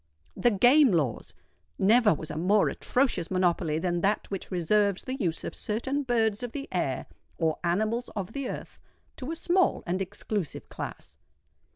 THE GAME LAWS! Never was a more atrocious monopoly than that which reserves the use of certain birds of the air or animals of the earth to a small and exclusive class.